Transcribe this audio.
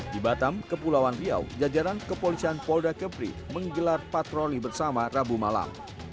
di batam kepulauan riau jajaran kepolisian polda kepri menggelar patroli bersama rabu malam